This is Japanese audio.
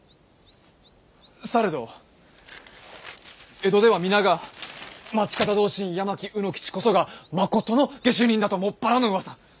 されど江戸では皆が町方同心八巻卯之吉こそが誠の下手人だと専らのうわさ。